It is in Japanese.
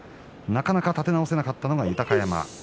なかなか立て直せなかった豊山です。